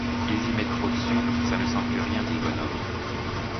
Ils y mettent trop de sucre, ça ne sent plus rien, dit le bonhomme.